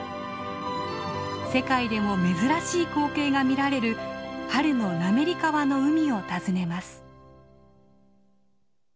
世界でも珍しい光景が見られる春の滑川の海を訪ねます。